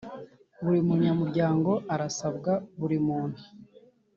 buri munyamuryango arasabwa buri muntu